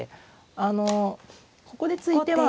あのここで突いては。